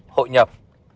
ba hội nhập